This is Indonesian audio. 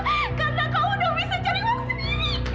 karena kamu udah bisa cari uang sendiri